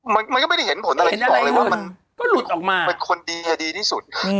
มันมันก็ไม่ได้เห็นผลอะไรที่บอกเลยว่ามันก็หลุดออกมาเป็นคนดีไงดีที่สุด